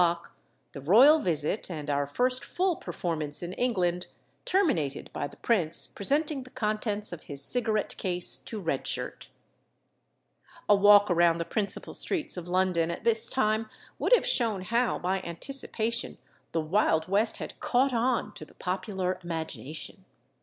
] At 7 o'clock the royal visit, and our first full performance in England, terminated by the prince presenting the contents of his cigarette case to Red Shirt. A walk around the principal streets of London at this time would have shown how, by anticipation, the Wild West had "caught on" to the popular imagination.